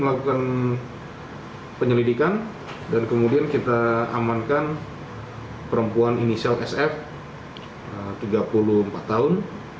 melakukan penyelidikan dan kemudian kita amankan perempuan inisial sf tiga puluh empat tahun